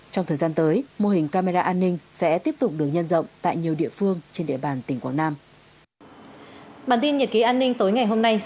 trong thời gian tới mô hình camera an ninh sẽ tiếp tục được dùng